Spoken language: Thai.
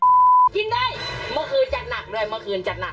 ตอนนี้กลับเลยเพราะทำงานกันเถอะน่ะตอนนี้กลับเลยเพราะทำงานกันเถอะน่ะ